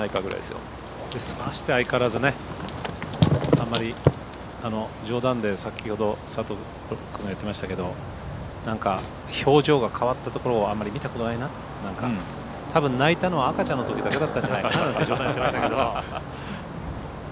ましてや相変わらずあんまり冗談で先ほど佐藤君が言ってましたけどなんか表情が変わったところをあんまり見たことないなってたぶん泣いたのは赤ちゃんの時だけだったんじゃないかな。